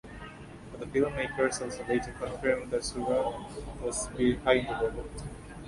But the filmmakers also later confirmed that Sooraj was behind the robot.